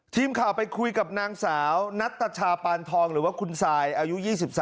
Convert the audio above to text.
ทีมข่าวไปคุยกับนางสาวนัตชาปานทองหรือว่าคุณซายอายุ๒๓